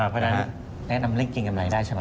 เพราะฉะนั้นแนะนำเลขกินกำไรได้ใช่ไหม